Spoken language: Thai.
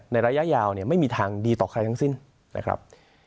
ระยะยาวเนี่ยไม่มีทางดีต่อใครทั้งสิ้นนะครับ